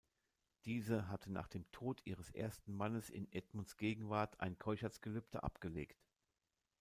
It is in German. Diese hatte nach dem Tod ihres ersten Mannes in Edmunds Gegenwart ein Keuschheitsgelübde abgelegt.